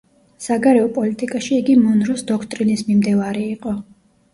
საგარეო პოლიტიკაში იგი მონროს დოქტრინის მიმდევარი იყო.